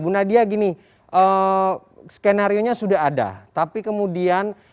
bu nadia gini skenario nya sudah ada tapi kemudian